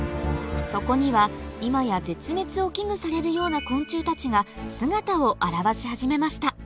そこには今や絶滅を危惧されるような昆虫たちが姿を現し始めました